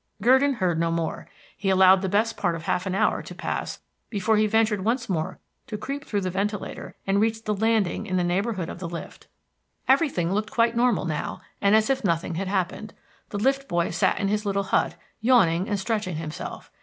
Gurdon heard no more. He allowed the best part of half an hour to pass before he ventured once more to creep through the ventilator and reach the landing in the neighborhood of the lift. Everything looked quite normal now, and as if nothing had happened. The lift boy sat in his little hut, yawning and stretching himself.